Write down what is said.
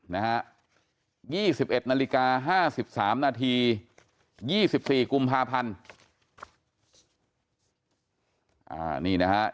นะฮะ๒๑นาฬิกา๕๓นาที๒๔กุมภาพันธ์